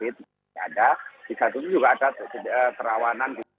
di satu itu juga ada kerawanan